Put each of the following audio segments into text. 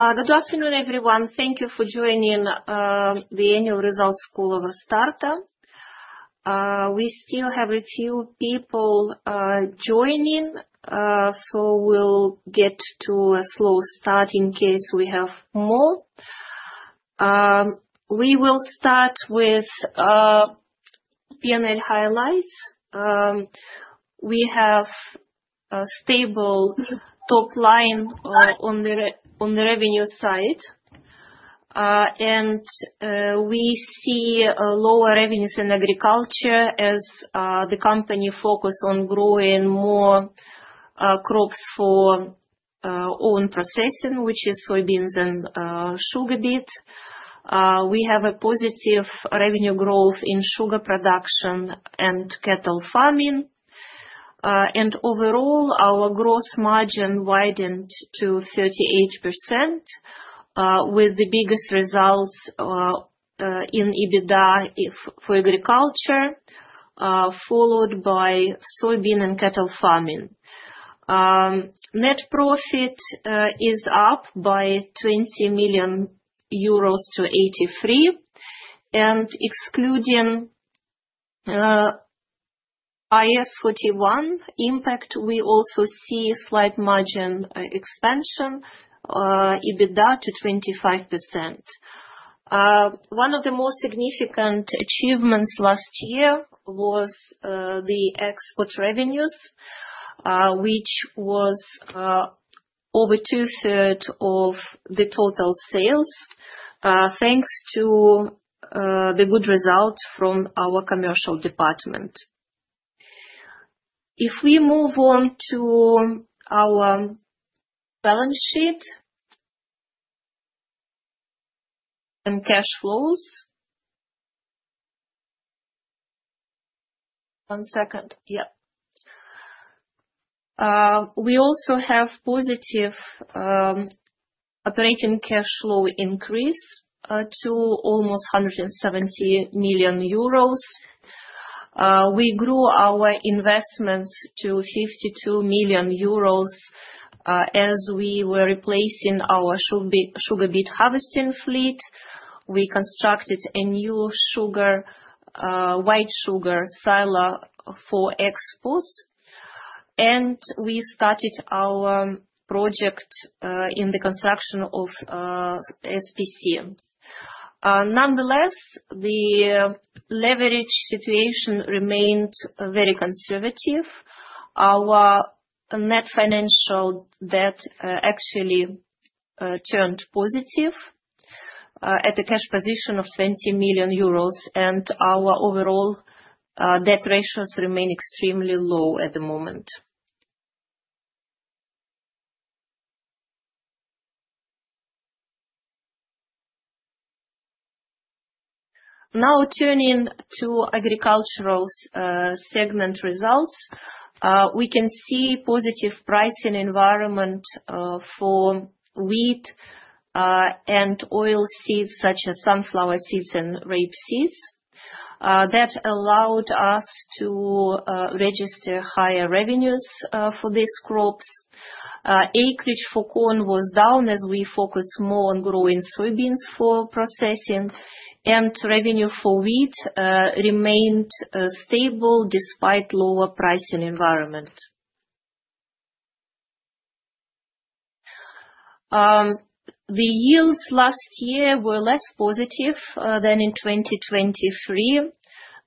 Good afternoon, everyone. Thank you for joining the Annual Results Call of Astarta. We still have a few people joining, so we'll get to a slow start in case we have more. We will start with P&L highlights. We have a stable top line on the revenue side, and we see lower revenues in agriculture as the company focuses on growing more crops for own processing, which is soybeans and sugar beet. We have a positive revenue growth in sugar production and cattle farming. Overall, our gross margin widened to 38%, with the biggest results in EBITDA for agriculture, followed by soybean and cattle farming. Net profit is up by 20 million euros to 83 million. Excluding IS41 impact, we also see slight margin expansion, EBITDA to 25%. One of the most significant achievements last year was the export revenues, which was over two-thirds of the total sales, thanks to the good results from our commercial department. If we move on to our balance sheet and cash flows. One second. Yeah. We also have positive operating cash flow increase to almost 170 million euros. We grew our investments to 52 million euros as we were replacing our sugar beet harvesting fleet. We constructed a new white sugar silo for exports, and we started our project in the construction of SPC. Nonetheless, the leverage situation remained very conservative. Our net financial debt actually turned positive at a cash position of 20 million euros, and our overall debt ratios remain extremely low at the moment. Now, turning to agricultural segment results, we can see a positive pricing environment for wheat and oilseeds such as sunflower seeds and rapeseeds. That allowed us to register higher revenues for these crops. Acreage for corn was down as we focused more on growing soybeans for processing, and revenue for wheat remained stable despite the lower pricing environment. The yields last year were less positive than in 2023.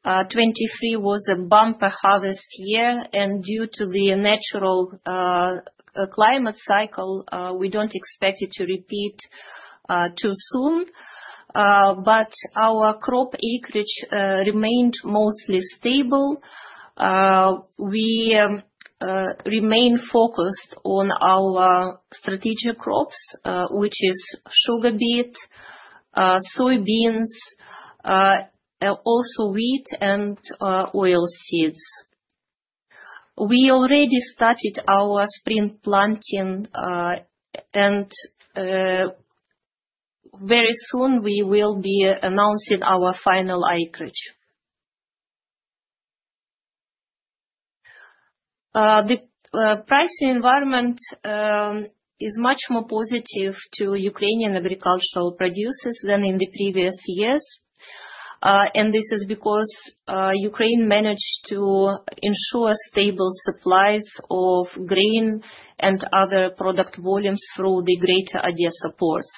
2023 was a bumper harvest year, and due to the natural climate cycle, we do not expect it to repeat too soon. Our crop acreage remained mostly stable. We remain focused on our strategic crops, which are sugar beet, soybeans, also wheat, and oilseeds. We already started our spring planting, and very soon we will be announcing our final acreage. The pricing environment is much more positive for Ukrainian agricultural producers than in the previous years, and this is because Ukraine managed to ensure stable supplies of grain and other product volumes through the greater idea supports.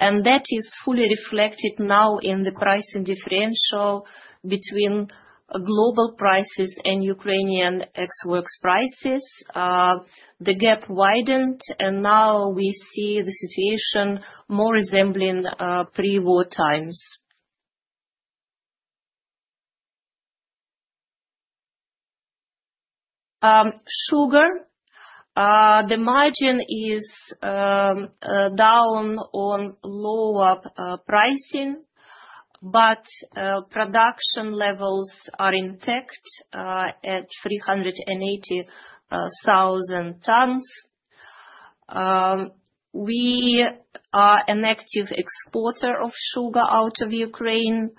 That is fully reflected now in the pricing differential between global prices and Ukrainian export prices. The gap widened, and now we see the situation more resembling pre-war times. Sugar, the margin is down on lower pricing, but production levels are intact at 380,000 tons. We are an active exporter of sugar out of Ukraine.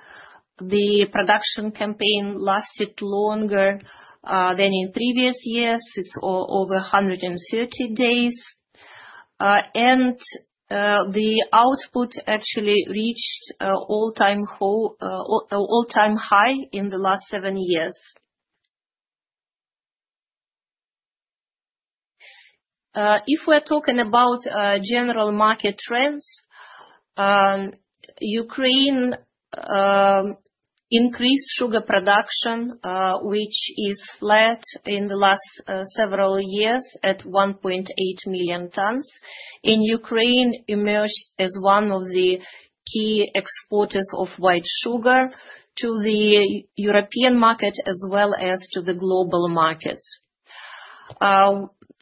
The production campaign lasted longer than in previous years. It is over 130 days. The output actually reached an all-time high in the last seven years. If we are talking about general market trends, Ukraine increased sugar production, which is flat in the last several years at 1.8 million tons. Ukraine emerged as one of the key exporters of white sugar to the European market as well as to the global markets.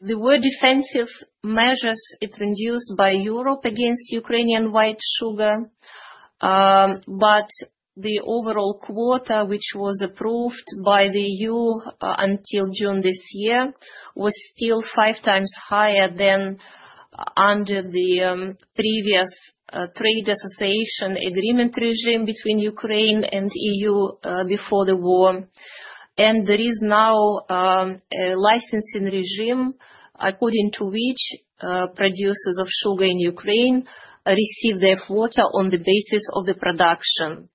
There were defensive measures introduced by Europe against Ukrainian white sugar, but the overall quota, which was approved by the EU until June this year, was still five times higher than under the previous trade association agreement regime between Ukraine and the EU before the war. There is now a licensing regime according to which producers of sugar in Ukraine receive their quota on the basis of the production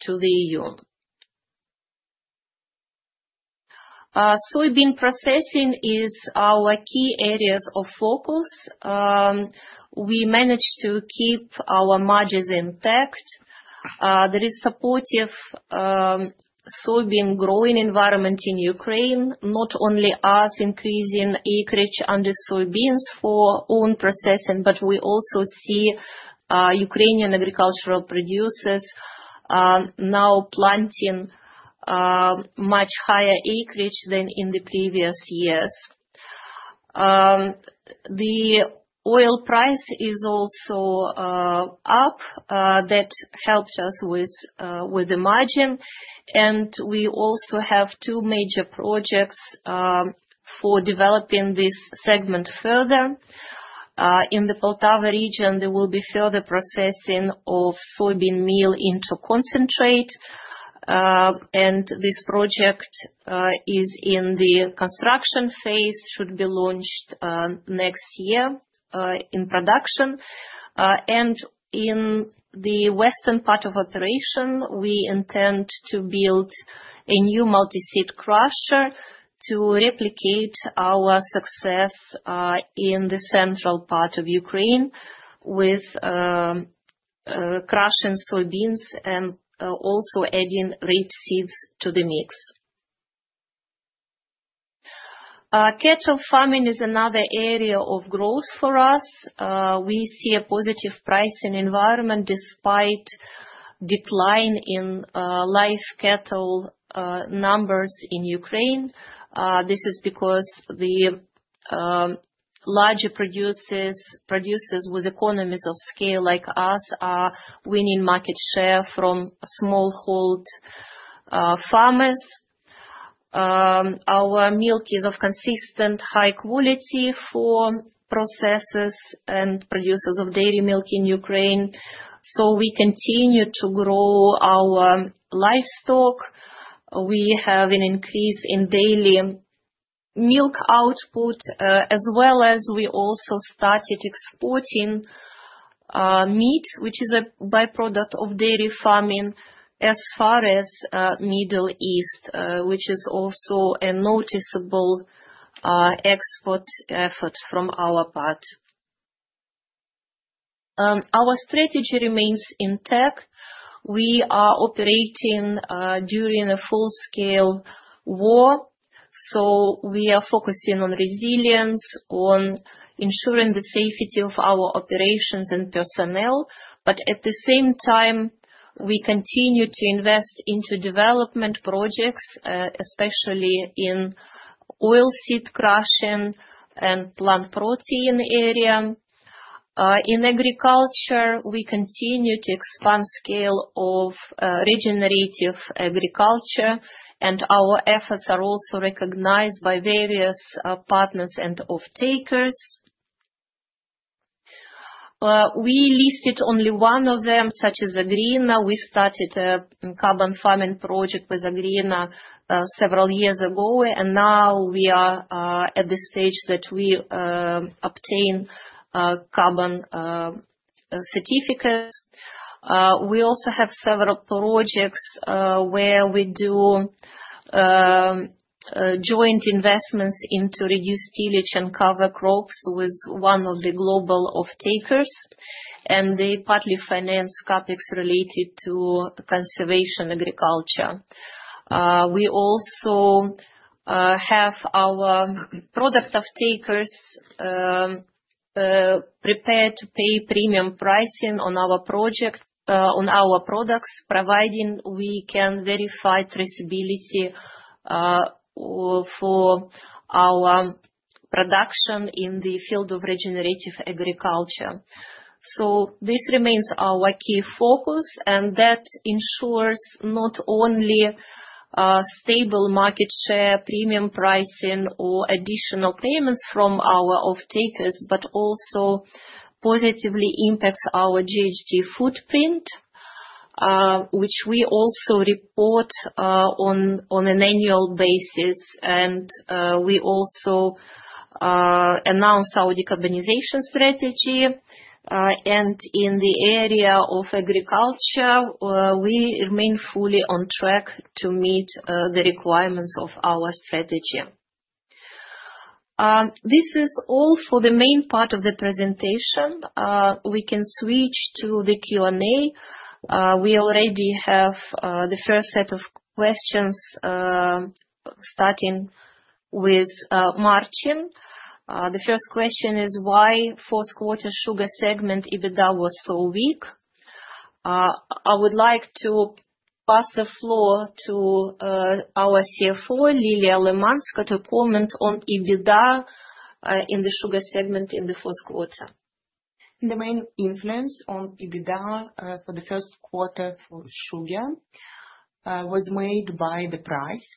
to the EU. Soybean processing is our key areas of focus. We managed to keep our margins intact. There is a supportive soybean growing environment in Ukraine, not only us increasing acreage under soybeans for own processing, but we also see Ukrainian agricultural producers now planting much higher acreage than in the previous years. The oil price is also up. That helps us with the margin. We also have two major projects for developing this segment further. In the Poltava region, there will be further processing of soybean meal into concentrate. This project is in the construction phase and should be launched next year in production. In the western part of operation, we intend to build a new multi-seed crusher to replicate our success in the central part of Ukraine with crushing soybeans and also adding rapeseeds to the mix. Cattle farming is another area of growth for us. We see a positive pricing environment despite the decline in live cattle numbers in Ukraine. This is because the larger producers with economies of scale like us are winning market share from smallhold farmers. Our milk is of consistent high quality for processors and producers of dairy milk in Ukraine. We continue to grow our livestock. We have an increase in daily milk output, as well as we also started exporting meat, which is a byproduct of dairy farming as far as the Middle East, which is also a noticeable export effort from our part. Our strategy remains intact. We are operating during a full-scale war, so we are focusing on resilience, on ensuring the safety of our operations and personnel. At the same time, we continue to invest into development projects, especially in oilseed crushing and plant protein area. In agriculture, we continue to expand the scale of regenerative agriculture, and our efforts are also recognized by various partners and off-takers. We listed only one of them, such as Agrina. We started a carbon farming project with Agrina several years ago, and now we are at the stage that we obtain carbon certificates. We also have several projects where we do joint investments into reduced tillage and cover crops with one of the global off-takers, and they partly finance CapEx related to conservation agriculture. We also have our product off-takers prepared to pay premium pricing on our products, providing we can verify traceability for our production in the field of regenerative agriculture. This remains our key focus, and that ensures not only stable market share, premium pricing, or additional payments from our off-takers, but also positively impacts our GHG footprint, which we also report on an annual basis. We also announced our decarbonization strategy. In the area of agriculture, we remain fully on track to meet the requirements of our strategy. This is all for the main part of the presentation. We can switch to the Q&A. We already have the first set of questions starting with Martin. The first question is, why was the fourth-quarter sugar segment EBITDA so weak? I would like to pass the floor to our CFO, Liliia Lymanska, to comment on EBITDA in the sugar segment in the fourth quarter. The main influence on EBITDA for the first quarter for sugar was made by the price.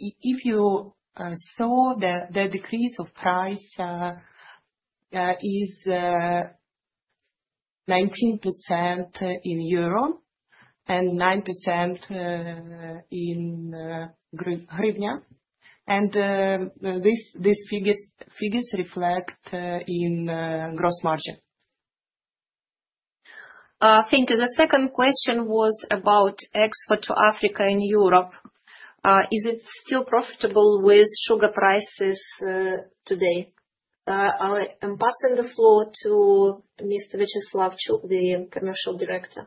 If you saw the decrease of price, it is 19% in EUR and 9% in hryvnia. These figures reflect in gross margin. Thank you. The second question was about export to Africa and Europe. Is it still profitable with sugar prices today? I am passing the floor to Mr. Vyacheslav Chuk, the Commercial Director.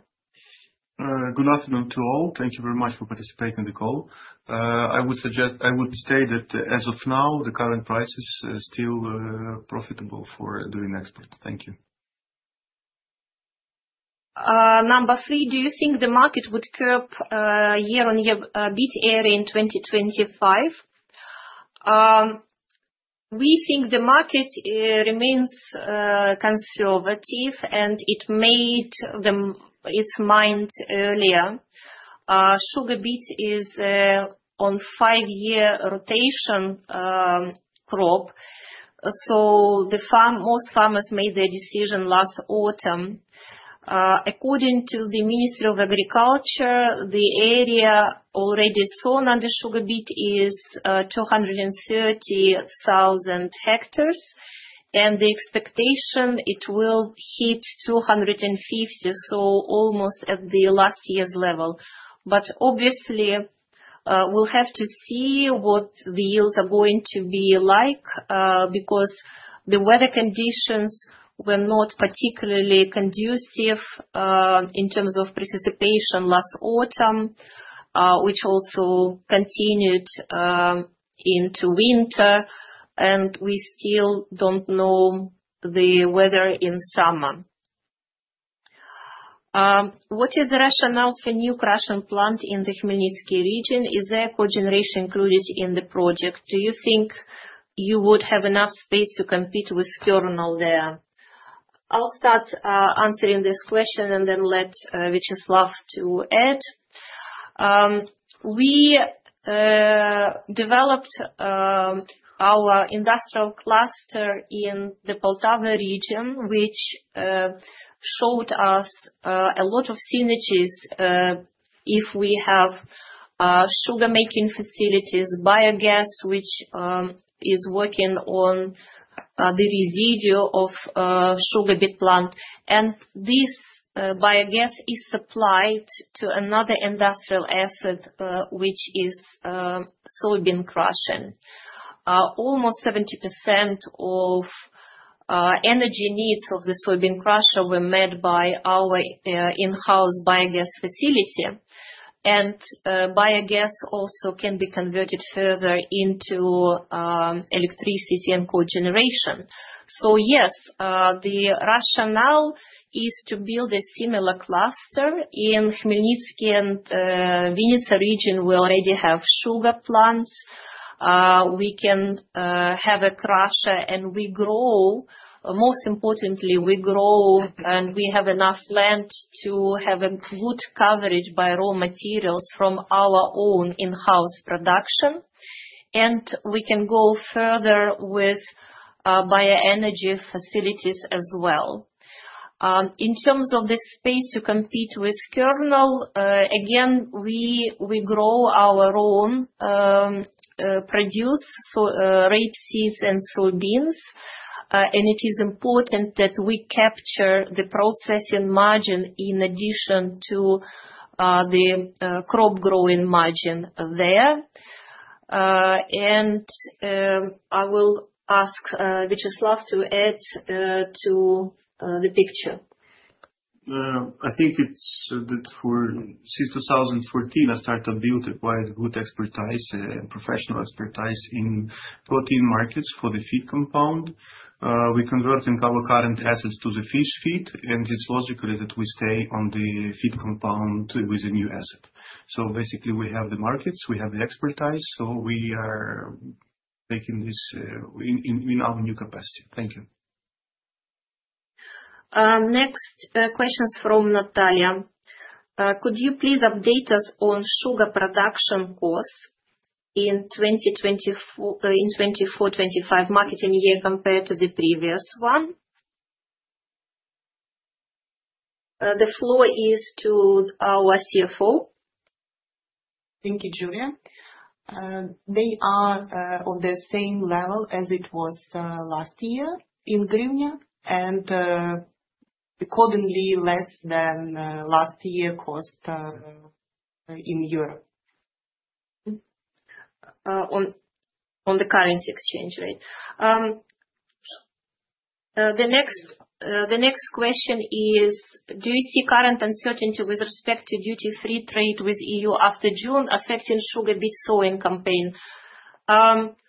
Good afternoon to all. Thank you very much for participating in the call. I would state that as of now, the current price is still profitable for doing export. Thank you. Number three, do you think the market would curb year-on-year beet area in 2025? We think the market remains conservative, and it made its mind earlier. Sugar beet is on a five-year rotation crop, so most farmers made their decision last autumn. According to the Ministry of Agriculture, the area already sown under sugar beet is 230,000 hectares, and the expectation is it will hit 250,000, so almost at the last year's level. Obviously, we will have to see what the yields are going to be like because the weather conditions were not particularly conducive in terms of precipitation last autumn, which also continued into winter, and we still do not know the weather in summer. What is the rationale for new crushing plant in the Khmelnytskyi region? Is there cogeneration included in the project? Do you think you would have enough space to compete with Kernel there? I'll start answering this question and then let Vyacheslav Chuk add. We developed our industrial cluster in the Poltava region, which showed us a lot of synergies if we have sugar-making facilities, biogas, which is working on the residual of sugar beet plant. This biogas is supplied to another industrial asset, which is soybean crushing. Almost 70% of energy needs of the soybean crusher were met by our in-house biogas facility. Biogas also can be converted further into electricity and cogeneration. Yes, the rationale is to build a similar cluster in Khmelnytskyi and Vinnytsia region. We already have sugar plants. We can have a crusher, and most importantly, we grow and we have enough land to have good coverage by raw materials from our own in-house production. We can go further with bioenergy facilities as well. In terms of the space to compete with Kernel, again, we grow our own produce, so rapeseeds and soybeans. It is important that we capture the processing margin in addition to the crop growing margin there. I will ask Vyacheslav Chuk to add to the picture. I think it's that for since 2014, Astarta built quite good expertise and professional expertise in protein markets for the feed compound. We converted carbocurrent assets to the fish feed, and it's logical that we stay on the feed compound with a new asset. Basically, we have the markets, we have the expertise, so we are taking this in our new capacity. Thank you. Next question is from Natalia. Could you please update us on sugar production costs in the 2024-2025 marketing year compared to the previous one? The floor is to our CFO. Thank you, Yuliya. They are on the same level as it was last year in hryvnia and accordingly less than last year cost in Europe. On the currency exchange rate. The next question is, do you see current uncertainty with respect to duty-free trade with the EU after June affecting sugar beet sowing campaign? Yes,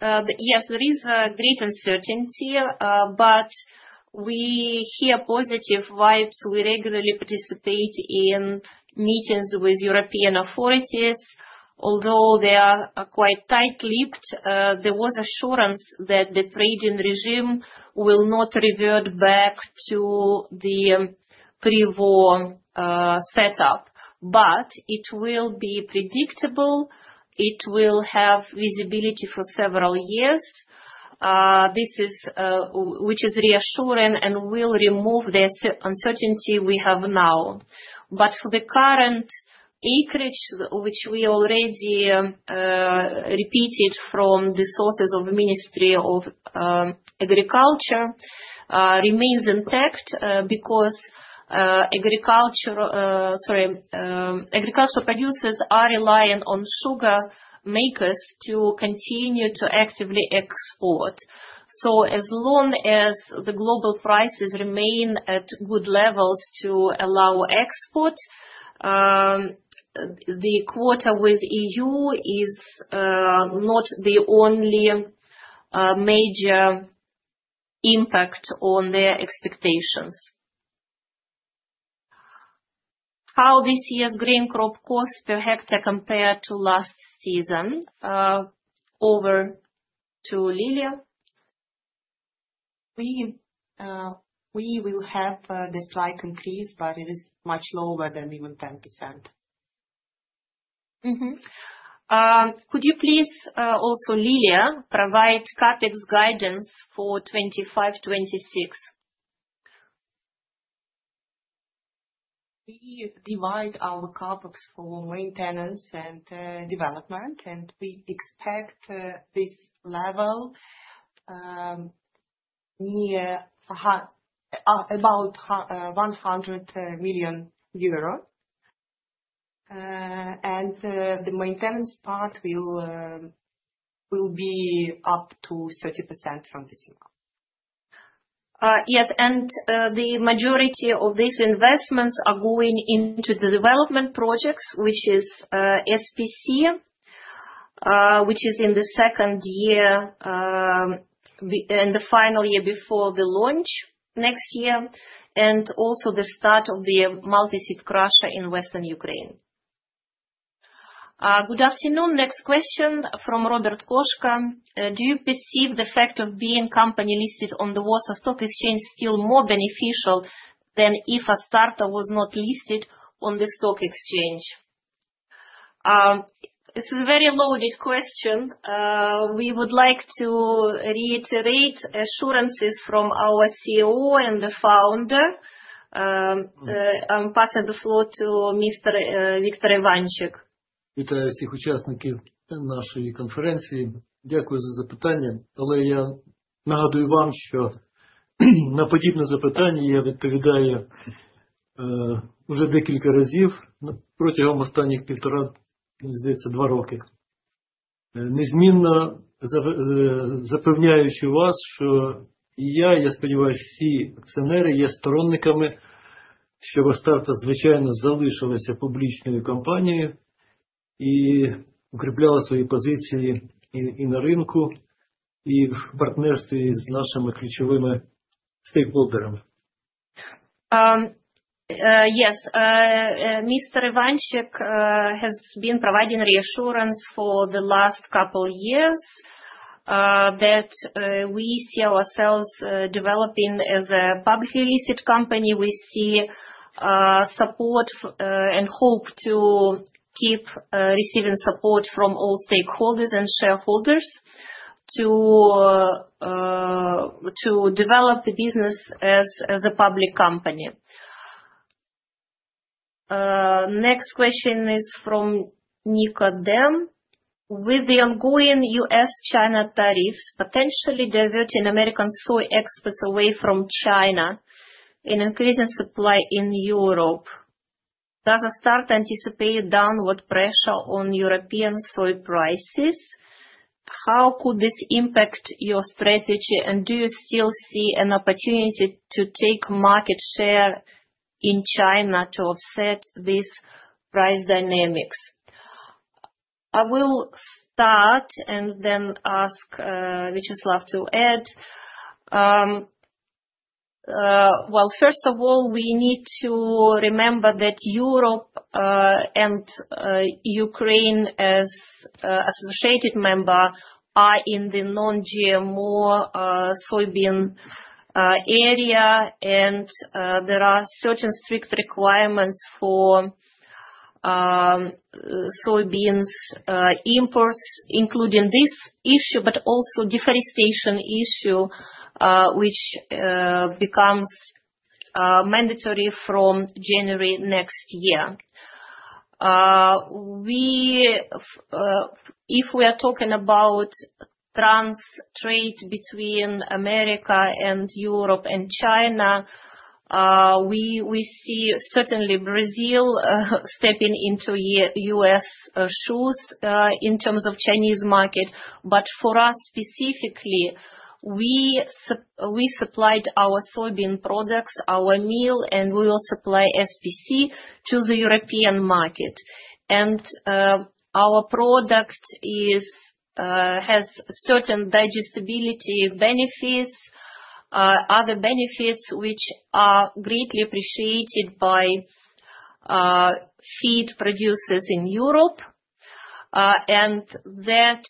there is great uncertainty, but we hear positive vibes. We regularly participate in meetings with European authorities. Although they are quite tight-lipped, there was assurance that the trading regime will not revert back to the pre-war setup, but it will be predictable. It will have visibility for several years, which is reassuring and will remove the uncertainty we have now. For the current acreage, which we already repeated from the sources of the Ministry of Agriculture, remains intact because agriculture producers are relying on sugar makers to continue to actively export. As long as the global prices remain at good levels to allow export, the quota with the EU is not the only major impact on their expectations. How does this year's grain crop costs per hectare compare to last season? Over to Lilia. We will have a slight increase, but it is much lower than even 10%. Could you please also, Lilia, provide CapEx guidance for 2025-2026? We divide our CapEx for maintenance and development, and we expect this level about EUR 100 million. The maintenance part will be up to 30% from this amount. Yes. The majority of these investments are going into the development projects, which is SPC, which is in the second year and the final year before the launch next year, and also the start of the multi-seed crusher in western Ukraine. Good afternoon. Next question from Robert Koschka. Do you perceive the fact of being company listed on the Warsaw Stock Exchange still more beneficial than if Astarta was not listed on the stock exchange? This is a very loaded question. We would like to reiterate assurances from our COO and the founder. I'm passing the floor to Mr. Vyacheslav Chuk. Вітаю всіх учасників нашої конференції. Дякую за запитання. Але я нагадую вам, що на подібне запитання я відповідаю вже декілька разів протягом останніх півтора, мені здається, два роки. Незмінно запевняючи вас, що і я, я сподіваюсь, всі акціонери є сторонниками, щоб Астарта, звичайно, залишилася публічною компанією і укріпляла свої позиції і на ринку, і в партнерстві з нашими ключовими стейкхолдерами. Yes. Mr. Vyacheslav Chuk has been providing reassurance for the last couple of years that we see ourselves developing as a publicly listed company. We see support and hope to keep receiving support from all stakeholders and shareholders to develop the business as a public company. Next question is from Nika Dem. With the ongoing U.S.-China tariffs potentially diverting American soy exports away from China and increasing supply in Europe, does Astarta anticipate downward pressure on European soy prices? How could this impact your strategy, and do you still see an opportunity to take market share in China to offset these price dynamics? I will start and then ask Vyacheslav Chuk to add. First of all, we need to remember that Europe and Ukraine as associated member are in the non-GMO soybean area, and there are certain strict requirements for soybeans imports, including this issue, but also deforestation issue, which becomes mandatory from January next year. If we are talking about trans-trade between America and Europe and China, we see certainly Brazil stepping into U.S. shoes in terms of Chinese market. For us specifically, we supplied our soybean products, our meal, and we will supply SPC to the European market. Our product has certain digestibility benefits, other benefits which are greatly appreciated by feed producers in Europe. That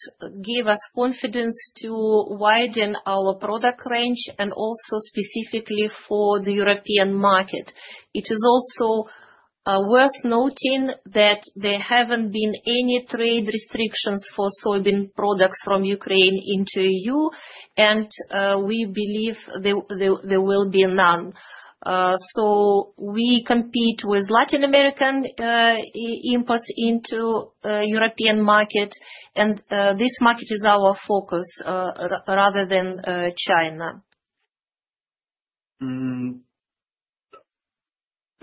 gives us confidence to widen our product range and also specifically for the European market. It is also worth noting that there have not been any trade restrictions for soybean products from Ukraine into EU, and we believe there will be none. We compete with Latin American imports into the European market, and this market is our focus rather than China.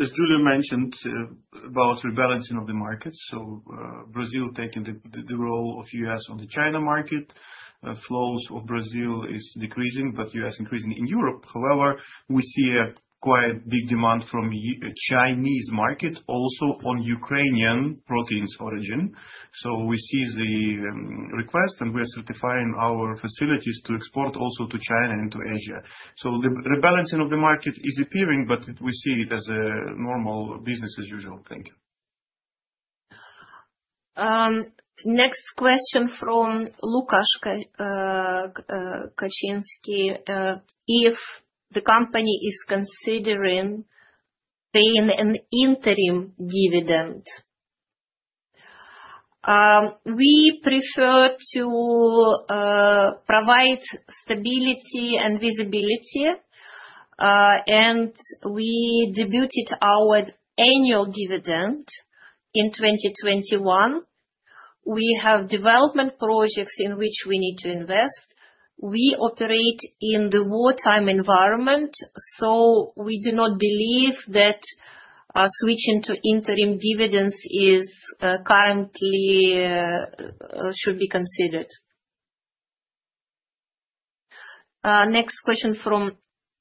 As Julia mentioned about rebalancing of the market, Brazil taking the role of U.S. on the China market, flows of Brazil is decreasing, but U.S. increasing in Europe. However, we see a quite big demand from the Chinese market also on Ukrainian proteins origin. We see the request, and we are certifying our facilities to export also to China and to Asia. The rebalancing of the market is appearing, but we see it as a normal business as usual. Thank you. Next question from Lukasz Kaczynski. If the company is considering paying an interim dividend, we prefer to provide stability and visibility, and we debuted our annual dividend in 2021. We have development projects in which we need to invest. We operate in the wartime environment, so we do not believe that switching to interim dividends currently should be considered. Next question from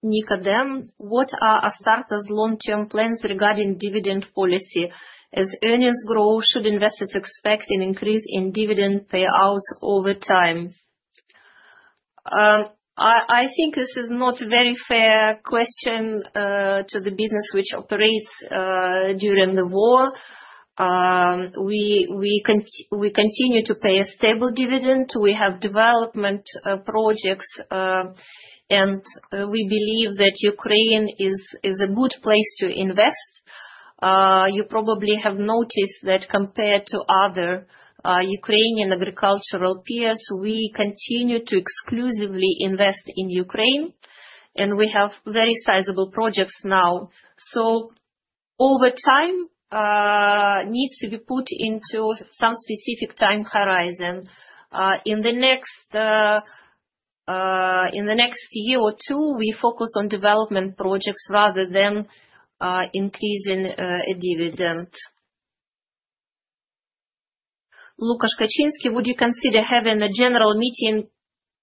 Nika Dem. What are Astarta's long-term plans regarding dividend policy? As earnings grow, should investors expect an increase in dividend payouts over time? I think this is not a very fair question to the business which operates during the war. We continue to pay a stable dividend. We have development projects, and we believe that Ukraine is a good place to invest. You probably have noticed that compared to other Ukrainian agricultural peers, we continue to exclusively invest in Ukraine, and we have very sizable projects now. Over time, it needs to be put into some specific time horizon. In the next year or two, we focus on development projects rather than increasing a dividend. Lukasz Kaczynski, would you consider having a general meeting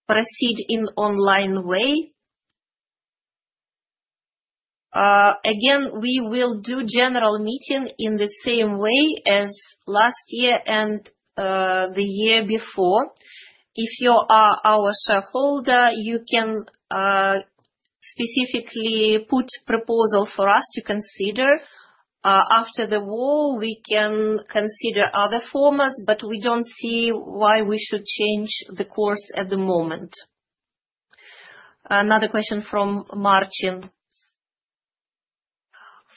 proceed in an online way? Again, we will do a general meeting in the same way as last year and the year before. If you are our shareholder, you can specifically put a proposal for us to consider. After the war, we can consider other formats, but we do not see why we should change the course at the moment. Another question from Martin.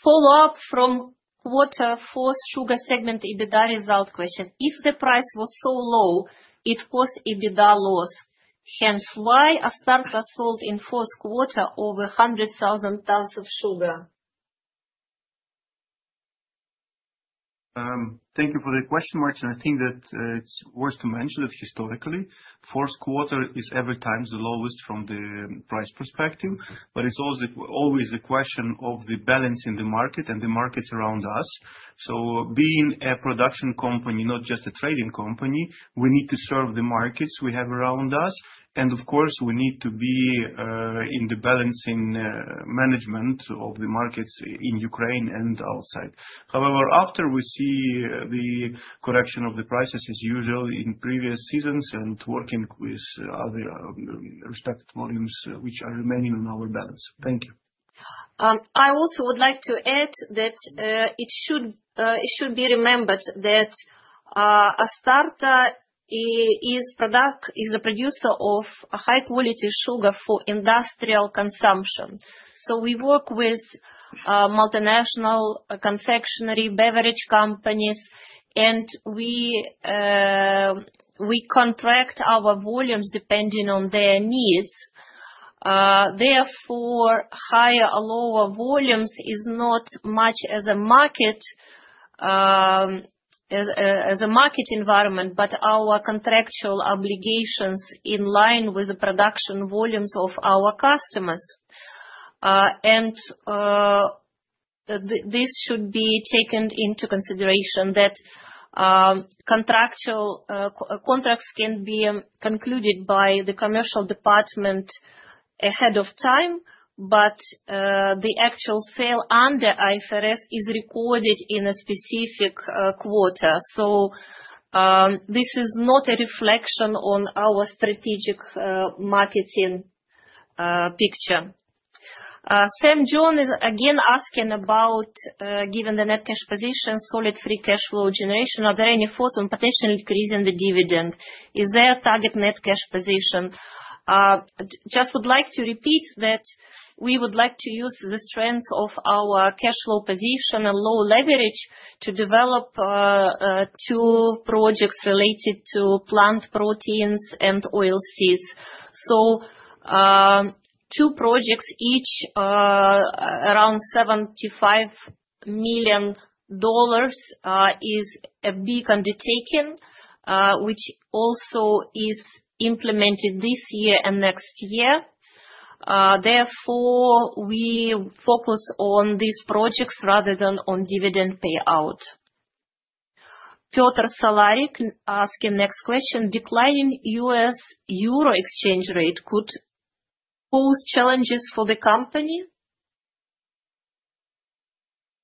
Follow-up from Q4 sugar segment EBITDA result question. If the price was so low, it caused EBITDA loss. Hence, why Astarta sold in Q4 over 100,000 tons of sugar? Thank you for the question, Martin. I think that it is worth to mention that historically, Q4 is every time the lowest from the price perspective, but it is always a question of the balance in the market and the markets around us. Being a production company, not just a trading company, we need to serve the markets we have around us. Of course, we need to be in the balancing management of the markets in Ukraine and outside. However, after we see the correction of the prices as usual in previous seasons and working with other respected volumes which are remaining on our balance. Thank you. I also would like to add that it should be remembered that Astarta is a producer of high-quality sugar for industrial consumption. We work with multinational confectionery beverage companies, and we contract our volumes depending on their needs. Therefore, higher or lower volumes is not much as a market environment, but our contractual obligations in line with the production volumes of our customers. This should be taken into consideration that contractual contracts can be concluded by the commercial department ahead of time, but the actual sale under IFRS is recorded in a specific quarter. This is not a reflection on our strategic marketing picture. Same John is again asking about giving the net cash position, solid free cash flow generation. Are there any thoughts on potentially increasing the dividend? Is there a target net cash position? Just would like to repeat that we would like to use the strength of our cash flow position and low leverage to develop two projects related to plant proteins and oil seeds. Two projects, each around $75 million is a big undertaking, which also is implemented this year and next year. Therefore, we focus on these projects rather than on dividend payout. Peter Salaryk asking next question. Declining U.S. Euro exchange rate could pose challenges for the company?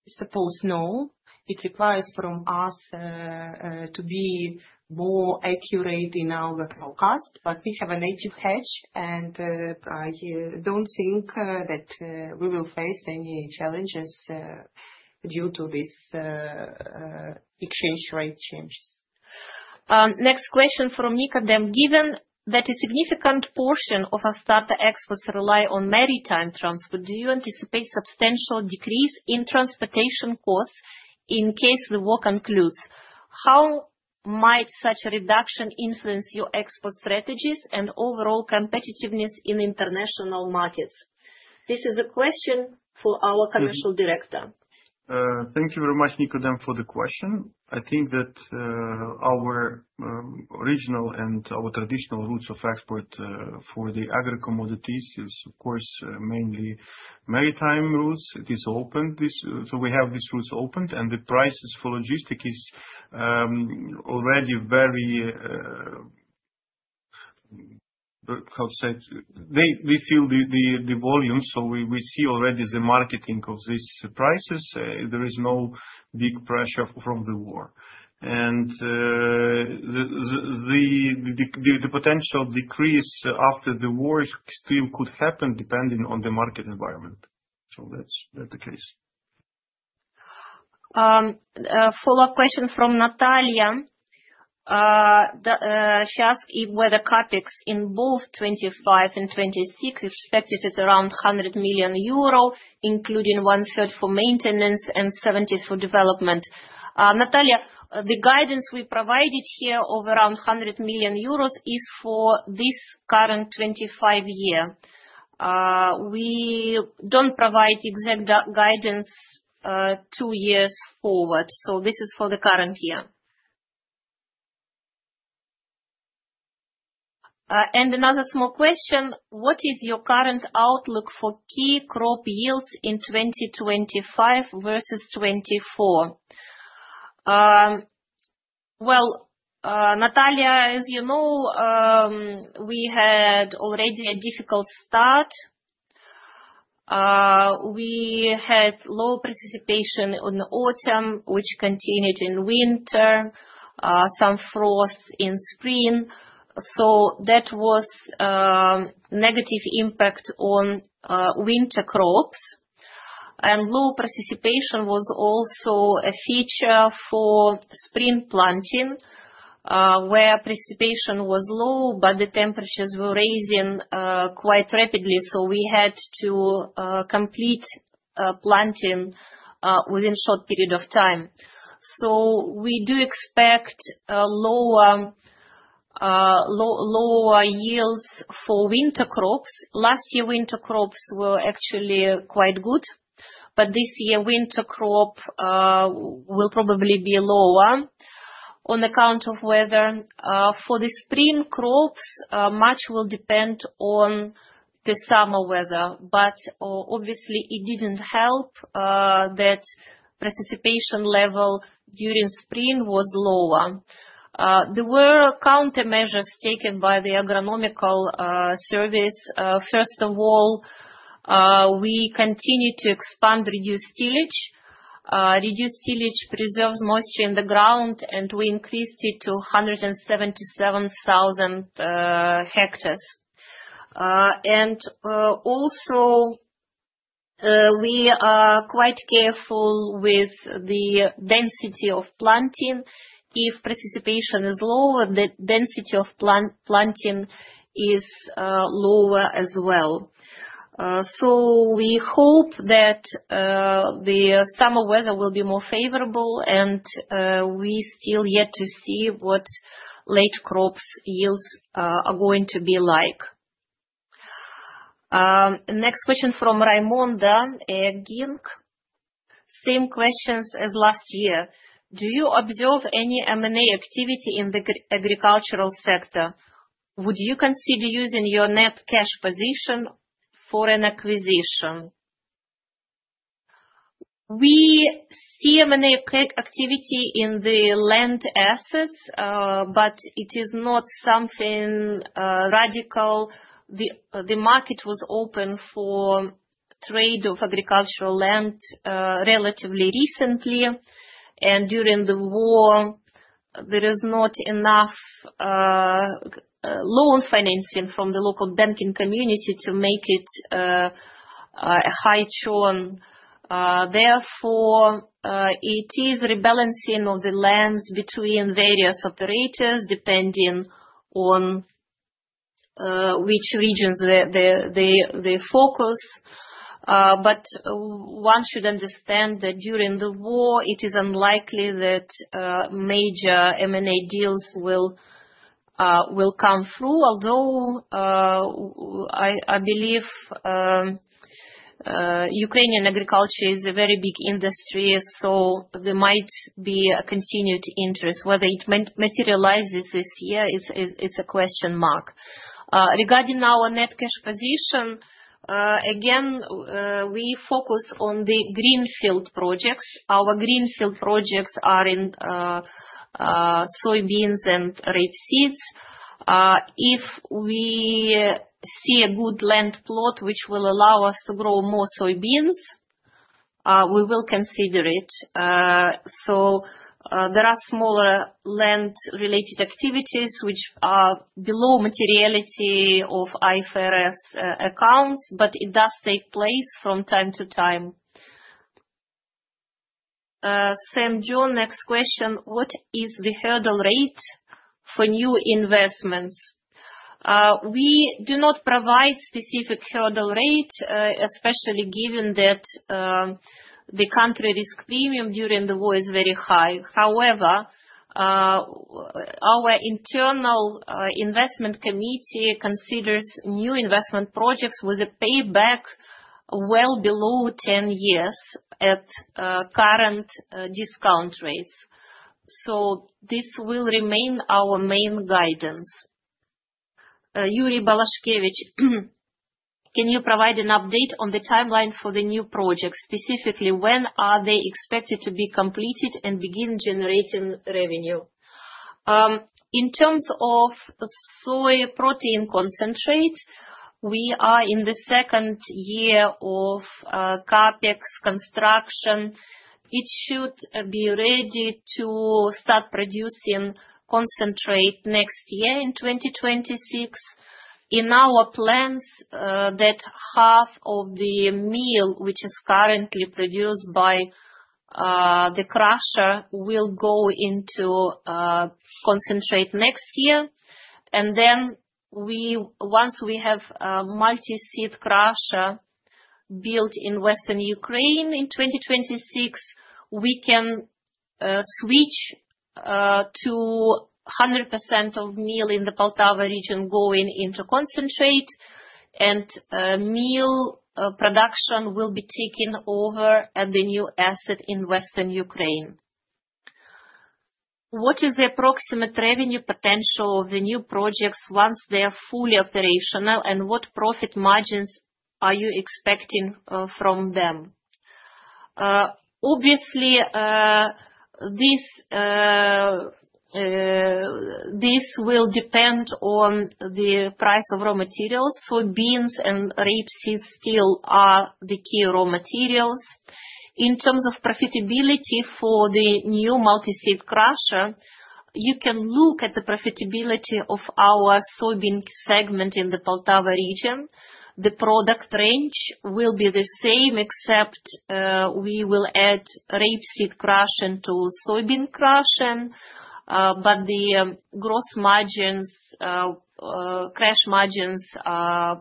I suppose no. It requires from us to be more accurate in our forecast, but we have a native hedge, and I do not think that we will face any challenges due to these exchange rate changes. Next question from Nika Dem. Given that a significant portion of Astarta exports rely on maritime transport, do you anticipate substantial decrease in transportation costs in case the war concludes? How might such a reduction influence your export strategies and overall competitiveness in international markets? This is a question for our Commercial Director. Thank you very much, Nika Dem, for the question. I think that our regional and our traditional routes of export for the agri-commodities is, of course, mainly maritime routes. It is open. We have these routes open, and the prices for logistics is already very, how to say, they fill the volume. We see already the marketing of these prices. There is no big pressure from the war. The potential decrease after the war still could happen depending on the market environment. That is the case. Follow-up question from Natalia. She asked if whether CapEx in both 2025 and 2026 is expected is around 100 million euro, including one-third for maintenance and 70 for development. Natalia, the guidance we provided here of around 100 million euros is for this current 2025 year. We do not provide exact guidance two years forward. This is for the current year. Another small question. What is your current outlook for key crop yields in 2025 versus 2024? Natalia, as you know, we had already a difficult start. We had low precipitation in autumn, which continued in winter, some frosts in spring. That was a negative impact on winter crops. Low precipitation was also a feature for spring planting where precipitation was low, but the temperatures were rising quite rapidly. We had to complete planting within a short period of time. We do expect lower yields for winter crops. Last year, winter crops were actually quite good, but this year, winter crop will probably be lower on account of weather. For the spring crops, much will depend on the summer weather, but obviously, it did not help that participation level during spring was lower. There were countermeasures taken by the Agronomical Service. First of all, we continue to expand reduced tillage. Reduced tillage preserves moisture in the ground, and we increased it to 177,000 hectares. Also, we are quite careful with the density of planting. If participation is low, the density of planting is lower as well. We hope that the summer weather will be more favorable, and we still yet to see what late crops yields are going to be like. Next question from Raimonda Aegink. Same questions as last year. Do you observe any M&A activity in the agricultural sector? Would you consider using your net cash position for an acquisition? We see M&A activity in the land assets, but it is not something radical. The market was open for trade of agricultural land relatively recently, and during the war, there is not enough loan financing from the local banking community to make it a high churn. Therefore, it is rebalancing of the lands between various operators depending on which regions they focus. One should understand that during the war, it is unlikely that major M&A deals will come through. Although I believe Ukrainian agriculture is a very big industry, so there might be a continued interest. Whether it materializes this year, it's a question mark. Regarding our net cash position, again, we focus on the greenfield projects. Our greenfield projects are in soybeans and rapeseeds. If we see a good land plot which will allow us to grow more soybeans, we will consider it. There are smaller land-related activities which are below materiality of IFRS accounts, but it does take place from time to time. Same John, next question. What is the hurdle rate for new investments? We do not provide specific hurdle rate, especially given that the country risk premium during the war is very high. However, our internal investment committee considers new investment projects with a payback well below 10 years at current discount rates. This will remain our main guidance. Yuri Balashkevich, can you provide an update on the timeline for the new projects, specifically when are they expected to be completed and begin generating revenue? In terms of soy protein concentrate, we are in the second year of CapEx construction. It should be ready to start producing concentrate next year in 2026. In our plans, that half of the meal which is currently produced by the crusher will go into concentrate next year. Once we have a multi-seed crusher built in western Ukraine in 2026, we can switch to 100% of meal in the Poltava region going into concentrate, and meal production will be taken over at the new asset in western Ukraine. What is the approximate revenue potential of the new projects once they are fully operational, and what profit margins are you expecting from them? Obviously, this will depend on the price of raw materials. Beans and rapeseed still are the key raw materials. In terms of profitability for the new multi-seed crusher, you can look at the profitability of our soybean segment in the Poltava region. The product range will be the same, except we will add rapeseed crushing to soybean crushing, but the gross margins, cash margins are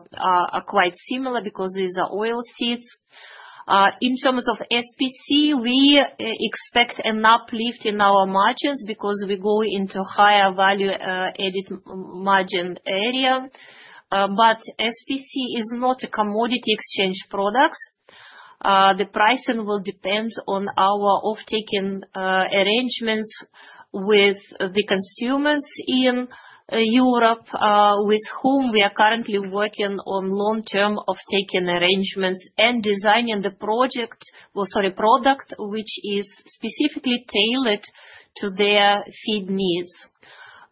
quite similar because these are oil seeds. In terms of SPC, we expect an uplift in our margins because we go into higher value-added margin area. SPC is not a commodity exchange product. The pricing will depend on our off-taking arrangements with the consumers in Europe, with whom we are currently working on long-term off-taking arrangements and designing the project or, sorry, product which is specifically tailored to their feed needs.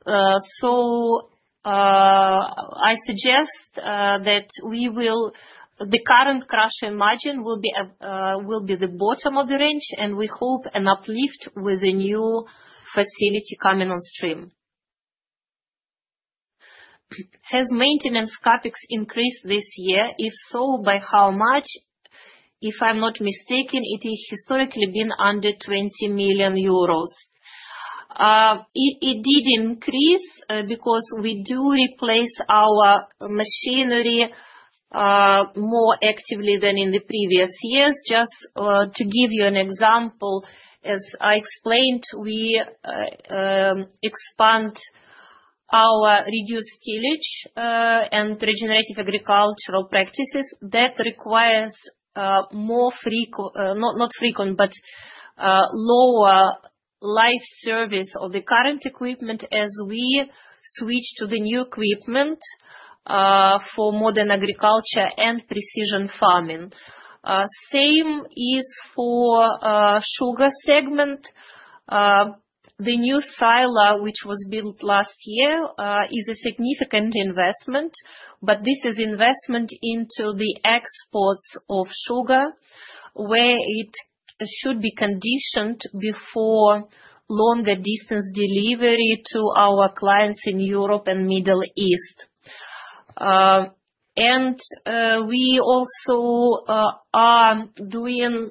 I suggest that the current crushing margin will be the bottom of the range, and we hope an uplift with a new facility coming on stream. Has maintenance CapEx increased this year? If so, by how much? If I'm not mistaken, it has historically been under 20 million euros. It did increase because we do replace our machinery more actively than in the previous years. Just to give you an example, as I explained, we expand our reduced tillage and regenerative agricultural practices. That requires more frequent, not frequent, but lower life service of the current equipment as we switch to the new equipment for modern agriculture and precision farming. The same is for the sugar segment. The new silo, which was built last year, is a significant investment, but this is investment into the exports of sugar, where it should be conditioned before longer distance delivery to our clients in Europe and Middle East. We also are doing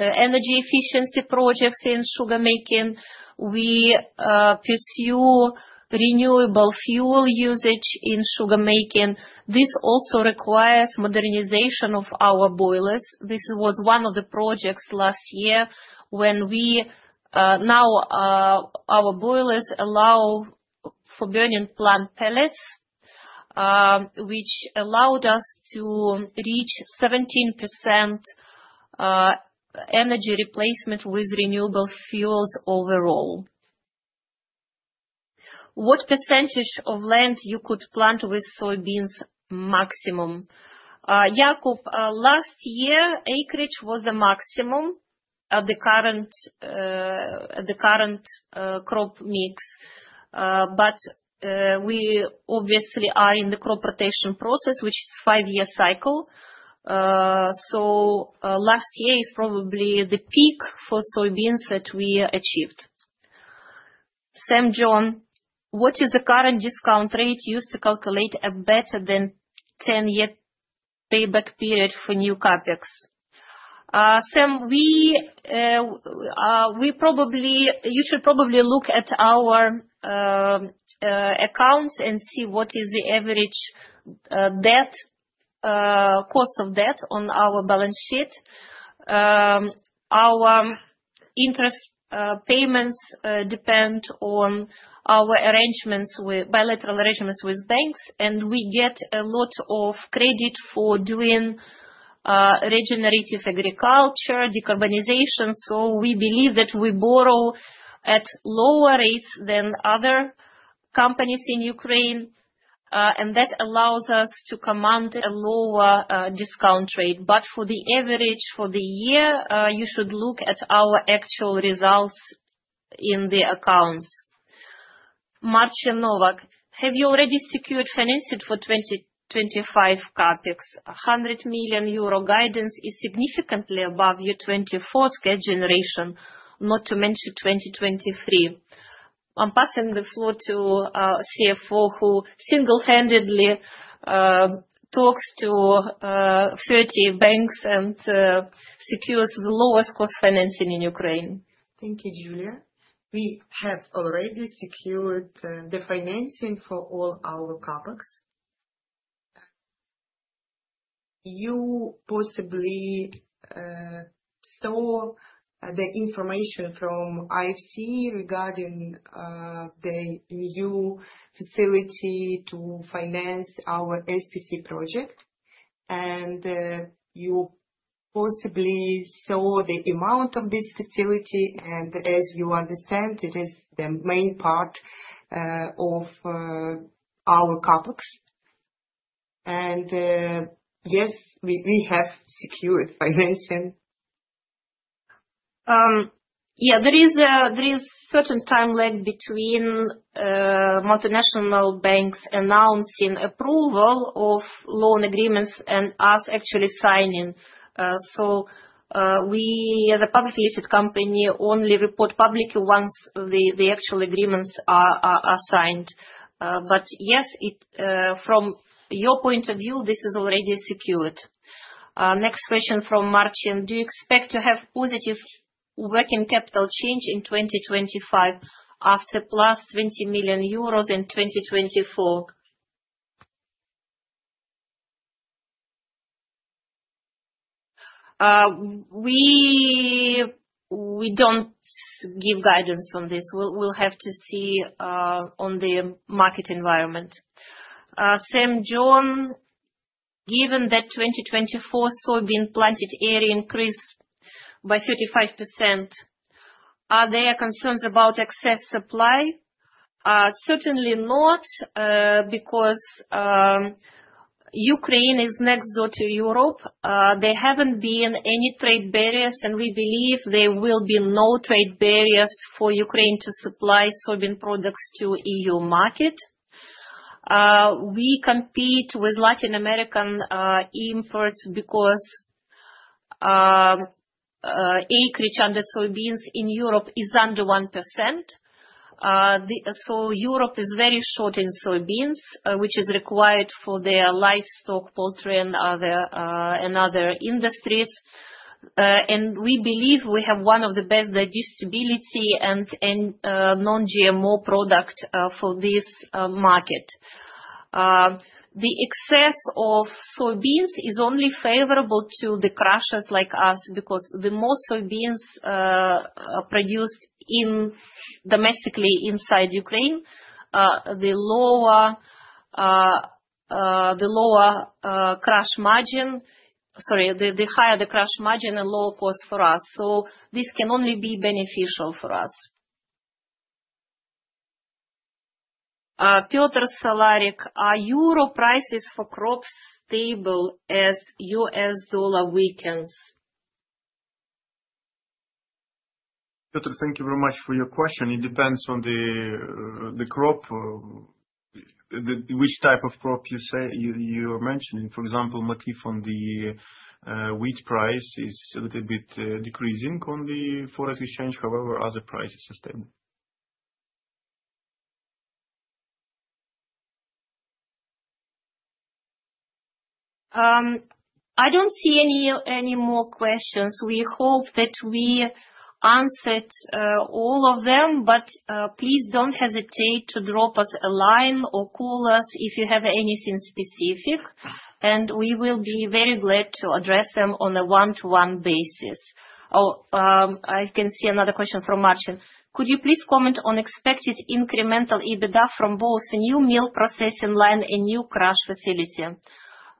energy efficiency projects in sugar making. We pursue renewable fuel usage in sugar making. This also requires modernization of our boilers. This was one of the projects last year when we now, our boilers allow for burning plant pellets, which allowed us to reach 17% energy replacement with renewable fuels overall. What percentage of land you could plant with soybeans maximum? Jakub, last year, acreage was the maximum at the current crop mix, but we obviously are in the crop rotation process, which is a five-year cycle. Last year is probably the peak for soybeans that we achieved. Same John, what is the current discount rate used to calculate a better than 10-year payback period for new CapEx? Sam, you should probably look at our accounts and see what is the average cost of debt on our balance sheet. Our interest payments depend on our arrangements, bilateral arrangements with banks, and we get a lot of credit for doing regenerative agriculture, decarbonization. We believe that we borrow at lower rates than other companies in Ukraine, and that allows us to command a lower discount rate. For the average for the year, you should look at our actual results in the accounts. Marcin Novak, have you already secured financing for 2025 CapEx? 100 million euro guidance is significantly above your 2024 scale generation, not to mention 2023. I'm passing the floor to CFO, who single-handedly talks to 30 banks and secures the lowest cost financing in Ukraine. Thank you, Yuliya. We have already secured the financing for all our CapEx. You possibly saw the information from IFC regarding the new facility to finance our SPC project, and you possibly saw the amount of this facility. As you understand, it is the main part of our CapEx. Yes, we have secured financing. Yeah, there is a certain time lag between multinational banks announcing approval of loan agreements and us actually signing. We, as a publicly listed company, only report publicly once the actual agreements are signed. Yes, from your point of view, this is already secured. Next question from Marcin. Do you expect to have positive working capital change in 2025 after +20 million euros in 2024? We do not give guidance on this. We will have to see on the market environment. Same John, given that 2024 soybean planted area increased by 35%, are there concerns about excess supply? Certainly not, because Ukraine is next door to Europe. There have not been any trade barriers, and we believe there will be no trade barriers for Ukraine to supply soybean products to the EU market. We compete with Latin American imports because acreage under soybeans in Europe is under 1%. Europe is very short in soybeans, which is required for their livestock, poultry, and other industries. We believe we have one of the best digestibility and non-GMO products for this market. The excess of soybeans is only favorable to the crushers like us because the more soybeans produced domestically inside Ukraine, the higher the crush margin and lower cost for us. This can only be beneficial for us. Pyotr Stalaryk, are euro prices for crops stable as U.S. dollar weakens? Pyotr, thank you very much for your question. It depends on the crop, which type of crop you are mentioning. For example, Matif on the wheat price is a little bit decreasing on the forex exchange. However, other prices are stable. I do not see any more questions. We hope that we answered all of them, but please don't hesitate to drop us a line or call us if you have anything specific, and we will be very glad to address them on a one-to-one basis. I can see another question from Marcin. Could you please comment on expected incremental EBITDA from both new meal processing line and new crush facility?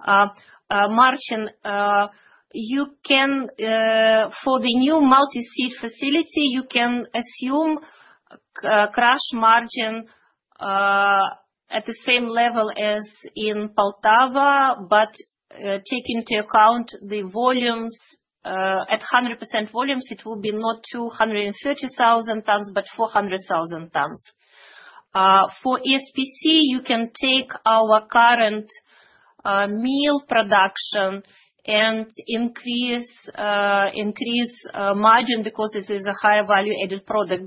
Marcin, for the new multi-seed facility, you can assume crush margin at the same level as in Poltava, but take into account the volumes. At 100% volumes, it will be not 230,000 tons, but 400,000 tons. For SPC, you can take our current meal production and increase margin because it is a higher value-added product.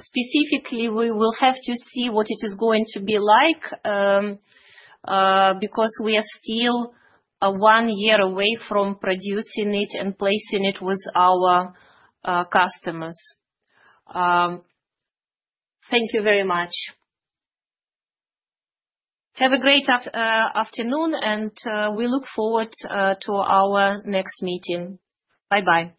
Specifically, we will have to see what it is going to be like because we are still one year away from producing it and placing it with our customers. Thank you very much. Have a great afternoon, and we look forward to our next meeting. Bye-bye.